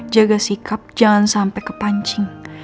jaga sikap jangan sampai kepancing